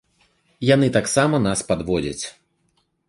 Яны таксама нас падводзяць.